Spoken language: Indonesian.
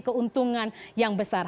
keuntungan yang besar